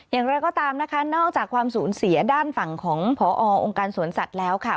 อย่างไรก็ตามนะคะนอกจากความสูญเสียด้านฝั่งของพอองค์การสวนสัตว์แล้วค่ะ